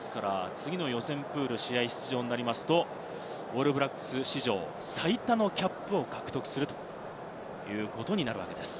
次の予選プールで試合出場となると、オールブラックス史上最多のキャップを獲得するということになるわけです。